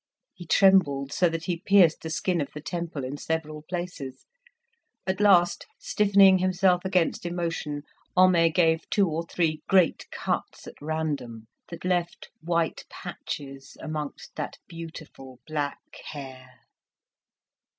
He trembled so that he pierced the skin of the temple in several places. At last, stiffening himself against emotion, Homais gave two or three great cuts at random that left white patches amongst that beautiful black hair.